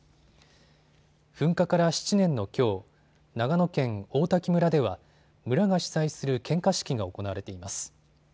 噴火から７年のきょう、長野県王滝村では村が主催する献花式が行われています。